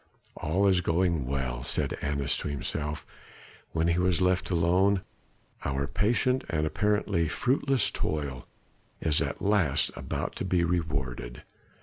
"All is going well," said Annas to himself when he was left alone. "Our patient and apparently fruitless toil is at last about to be rewarded.